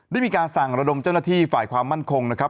ได้มีการสั่งระดมเจ้าหน้าที่ฝ่ายความมั่นคงนะครับ